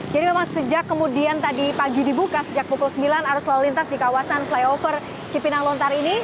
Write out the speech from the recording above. jadi memang sejak kemudian tadi pagi dibuka sejak pukul sembilan harus lalu lintas di kawasan flyover cipinang lontar ini